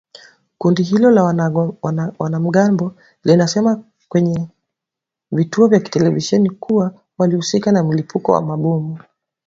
Kundi hilo la wanamgambo lilisema kwenye vituo vya televisheni kuwa walihusika na mlipuko wa mabomu